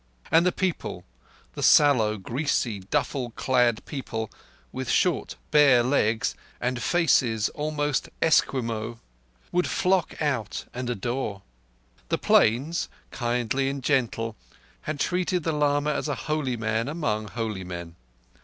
And the people—the sallow, greasy, duffle clad people, with short bare legs and faces almost Esquimaux—would flock out and adore. The Plains—kindly and gentle—had treated the lama as a holy man among holy men.